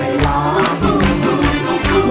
ได้ครับ